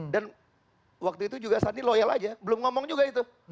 dan waktu itu juga sandi loyal aja belum ngomong juga itu